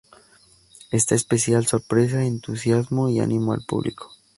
Esta especial sorpresa entusiasmó y animó al público.